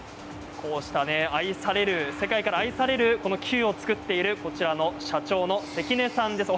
こうした世界から愛されるキューを作っているこちらの社長の関根さんです。